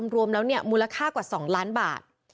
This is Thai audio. รวมแล้วมูลค่ากว่า๒ล้านบาท